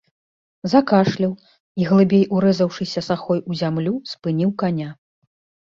Закашляў і, глыбей урэзаўшыся сахой у зямлю, спыніў каня.